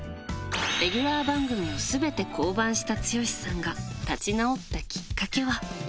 レギュラー番組をすべて降板した剛さんが立ち直ったきっかけは。